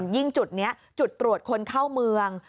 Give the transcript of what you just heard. ยิ่งจุดนี้จุดตรวจคนเข้าเมือง